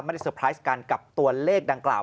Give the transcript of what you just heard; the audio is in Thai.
เซอร์ไพรส์กันกับตัวเลขดังกล่าว